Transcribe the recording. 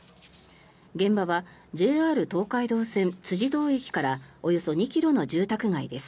現場はＪＲ東海道線辻堂駅からおよそ２ｋｍの住宅街です。